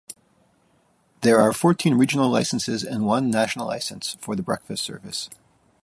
There are fourteen regional licences and one national licence for the breakfast service.